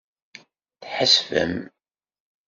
Tḥesbem.